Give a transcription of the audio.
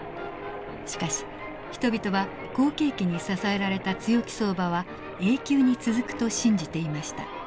しかし人々は好景気に支えられた強気相場は永久に続くと信じていました。